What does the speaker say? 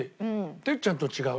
哲ちゃんと違う。